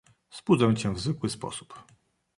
"Zbudzę cię w zwykły sposób."